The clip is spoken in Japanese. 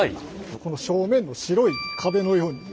正面の白い壁のように。